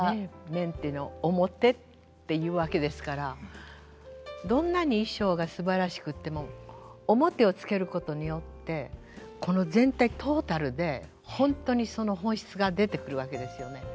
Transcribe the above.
面っていうの面って言うわけですからどんなに衣装がすばらしくっても面をつけることによってこの全体トータルで本当にその本質が出てくるわけですよね。